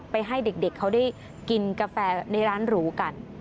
ให้เด็กเขาได้กินกาแฟในร้านหรูกัน